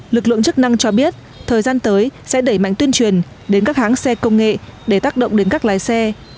lực lượng chức năng cho biết thời gian tới sẽ đẩy mạnh tuyên truyền đến các hãng xe công nghệ để tác động đến các lái xe